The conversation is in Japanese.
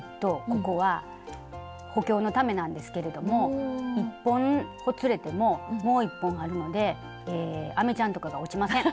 ここは補強のためなんですけれども１本ほつれてももう１本あるのでえアメちゃんとかが落ちません！